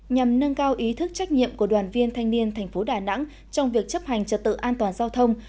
nhằm nâng cao ý thức trách nhiệm của đoàn viên thanh niên thành phố đà nẵng trong việc chấp hành trật tự an toàn giao thông